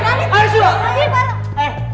nona ya barang